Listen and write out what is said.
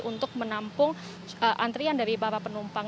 untuk menampung antrian dari para penumpang